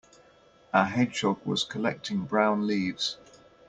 A hedgehog was collecting brown leaves.